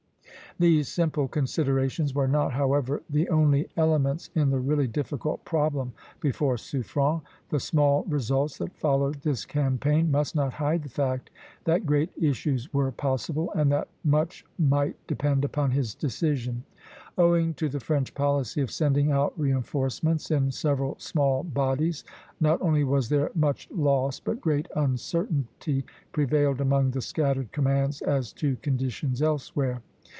These simple considerations were not, however, the only elements in the really difficult problem before Suffren. The small results that followed this campaign must not hide the fact that great issues were possible, and that much might depend upon his decision. Owing to the French policy of sending out reinforcements in several small bodies, not only was there much loss, but great uncertainty prevailed among the scattered commands as to conditions elsewhere.